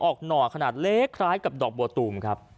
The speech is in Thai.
หน่อขนาดเล็กคล้ายกับดอกบัวตูมครับ